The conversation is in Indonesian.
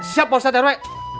siap pausat terwe